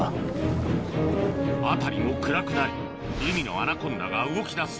辺りも暗くなり海のアナコンダが動き出す